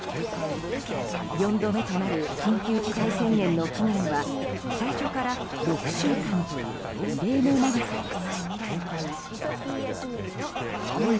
４度目となる緊急事態宣言の期限は最初から６週間という異例の長さです。